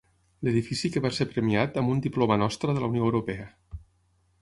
L'edifici que va ser premiat amb un diploma Nostra de la Unió Europea.